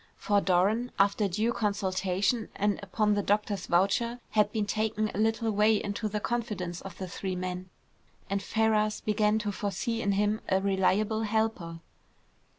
For Doran, after due consultation, and upon the doctor's voucher, had been taken a little way into the confidence of the three men, and Ferrars began to foresee in him a reliable helper.